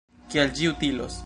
Kiel ĝi utilos?